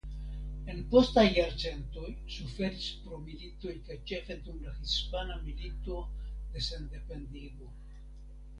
En postaj jarcentoj suferis pro militoj kaj ĉefe dum la Hispana Milito de Sendependigo.